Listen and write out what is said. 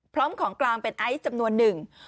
พร้อมของกลางเป็นไอซ์จำนวนหนึ่ง